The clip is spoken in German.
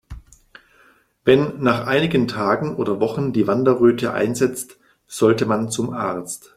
Wenn nach einigen Tagen oder Wochen die Wanderröte einsetzt, sollte man zum Arzt.